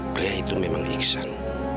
pria itu memang iksan